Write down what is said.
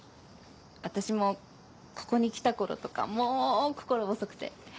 私もここに来た頃とかもう心細くて。